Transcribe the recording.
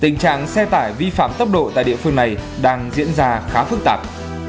tình trạng xe tải vi phạm tốc độ tại địa phương này đang diễn ra khá phức tạp